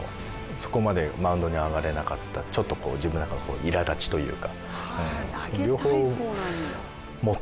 そこまでマウンドに上がれなかったちょっとこう自分の中の苛立ちというか。